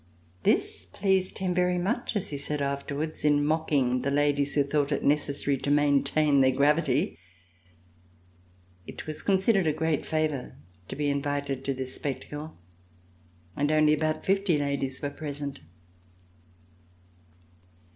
This pleased him very much, as he said after wards in mocking the ladies who thought it necessary to maintain their gravity. It was considered a great C362] VISIT OF THE EMPEROR favor to be invited to this spectacle, and only about fifty ladies were present.